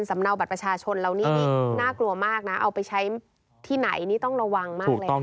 ไม่ได้เลี้ยง